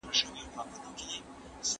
کمپيوټر دينی کتابونه لولي.